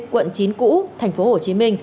quận chín cũ tp hcm